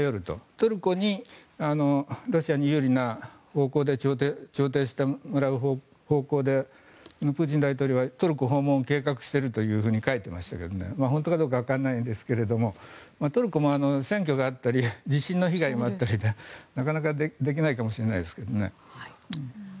トルコにロシアに有利な方向で調停してもらう方向でプーチン大統領はトルコ訪問を計画していると書いてましたが本当かどうかわからないですがトルコも選挙があったり地震の被害もあったりで新しい「伊右衛門」